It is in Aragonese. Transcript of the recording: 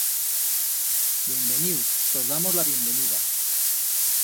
Bienvenius, tos damos la bienvenida.